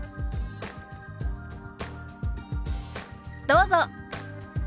どうぞ。